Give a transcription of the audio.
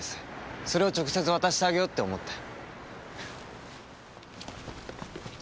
それを直接渡してあげようって思って。